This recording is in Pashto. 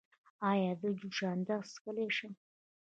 ایا زه جوشاندې څښلی شم؟